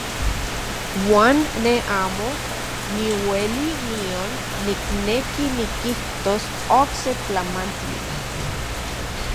Uan ne amo niueli nion nikneki nikijtos okse tlamantli.